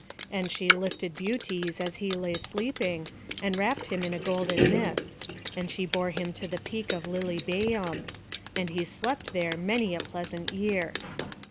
And she lifted Butes as he lay sleeping, and wrapt him in a golden mist; and she bore him to the peak of Lilybæum; and he slept there many a pleasant year.